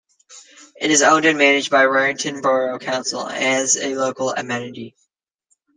It is owned and managed by Warrington Borough Council as a local amenity.